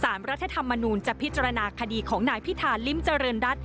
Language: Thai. รัฐธรรมนูลจะพิจารณาคดีของนายพิธาลิ้มเจริญรัฐ